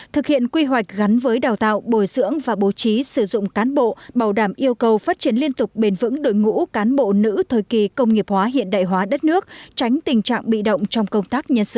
thực hiện quy hoạch gắn với đào tạo bồi dưỡng và bố trí sử dụng cán bộ bảo đảm yêu cầu phát triển liên tục bền vững đội ngũ cán bộ nữ thời kỳ công nghiệp hóa hiện đại hóa đất nước tránh tình trạng bị động trong công tác nhân sự